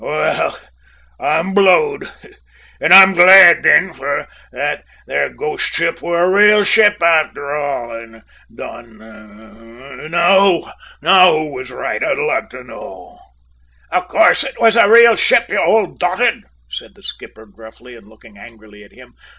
"Well, I'm blowed! and I'm glad, then, for that there ghost ship wor a rael ship arter all said and done. Now who was right, I'd like to know?" "Of course it was a real ship, you old dotard!" said the skipper gruffly and looking angrily at him.